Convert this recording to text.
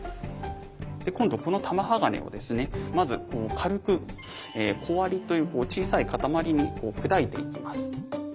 今度この玉鋼をですねまず軽く小割りという小さい塊に砕いていきます。